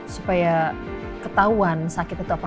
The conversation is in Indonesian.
supaya ketahuan sakit itu apa